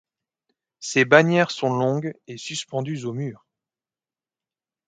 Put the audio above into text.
Ces bannières sont longues et suspendues aux murs.